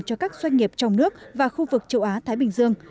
cho các doanh nghiệp trong nước và khu vực châu á thái bình dương